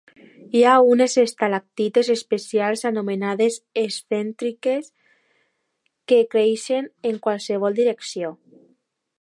Hi ha unes estalactites especials, anomenades excèntriques, que creixen en qualsevol direcció.